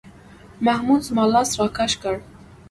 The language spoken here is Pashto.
محمود زما لاس راکش کړ.